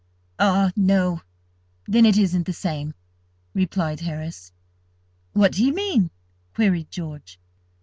"Ah, no, then it isn't the same," replied Harris. "What do you mean?" queried George.